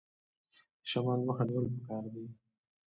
د شمال مخه نیول پکار دي؟